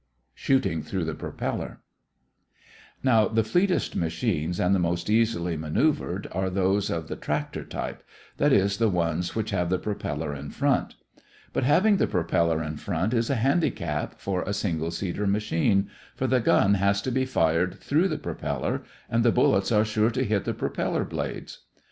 SHOOTING THROUGH THE PROPELLER Now, the fleetest machines and the most easily manoeuvered are those of the tractor type, that is, the ones which have the propeller in front; but having the propeller in front is a handicap for a single seater machine, for the gun has to be fired through the propeller and the bullets are sure to hit the propeller blades.